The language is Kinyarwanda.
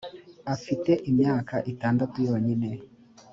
afite imyaka itandatu yonyine.